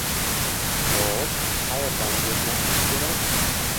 xo'sh qayerdan buyurtma qilish kerak?